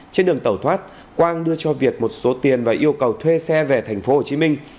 trên đường tẩu thoát quang đưa cho việt một số tiền và yêu cầu thuê xe về thành phố hồ chí minh